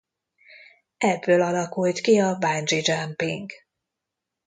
Ebből alakult ki a Bungee-Jumping.